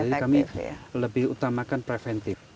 jadi kami lebih utamakan preventif